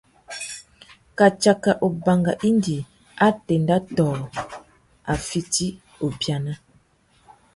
Kā tsaka ubanga indi a téndá tô a fiti ubiana.